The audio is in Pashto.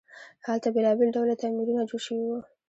هلته بیلابیل ډوله تعمیرونه جوړ شوي وو.